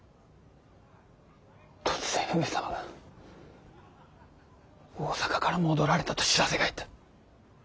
突然上様が大坂から戻られたと報せが入った。